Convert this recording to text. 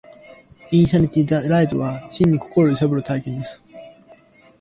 インサニティ・ザ・ライドは、真に心を揺さぶる体験です